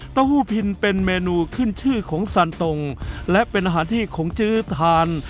หู้พินเป็นเมนูขึ้นชื่อของซานตรงและเป็นอาหารที่ของจื้อทาน